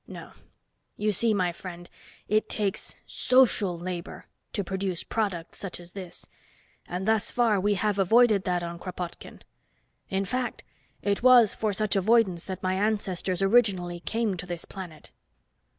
No. You see, my friend, it takes social labor to produce products such as this, and thus far we have avoided that on Kropotkin. In fact, it was for such avoidance that my ancestors originally came to this planet."